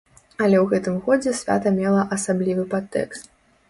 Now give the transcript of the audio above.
Але ў гэтым годзе свята мела асаблівы падтэкст.